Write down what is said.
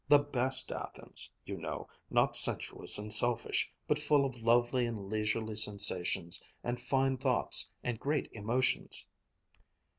The best Athens, you know, not sensuous and selfish, but full of lovely and leisurely sensations and fine thoughts and great emotions."